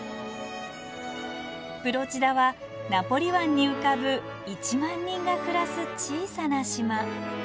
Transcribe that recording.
プロチダはナポリ湾に浮かぶ１万人が暮らす小さな島。